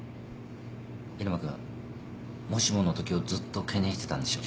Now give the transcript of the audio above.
入間君もしものときをずっと懸念してたんでしょ。